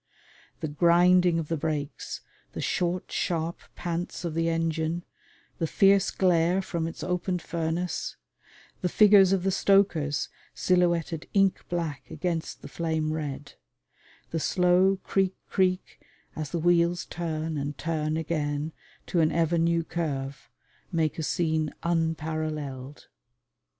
The grinding of the brakes; the short sharp pants of the engine, the fierce glare from its opened furnace, the figures of the stokers silhouetted ink black against the flame red; the slow creak creak as the wheels turn and turn again to an ever new curve, make a scene unparalleled.